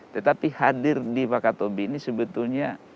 tidak butuh juga harus memakan makanan yang harus standar sesuai dengan selera mereka